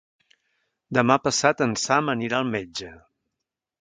Demà passat en Sam anirà al metge.